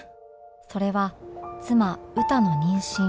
それは妻うたの妊娠